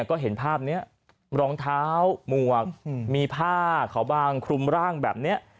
ก็เห็นภาพนี้รองเท้าหมวกมีผ้าขาวบางคลุมร่างแบบนี้